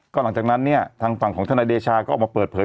หลังจากนั้นเนี่ยทางฝั่งของทนายเดชาก็ออกมาเปิดเผย